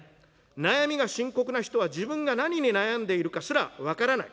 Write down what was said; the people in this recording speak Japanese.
悩みが深刻な人は、自分が何に悩んでいるかすら分からない。